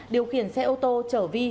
điều khiển xe ô tô chở vi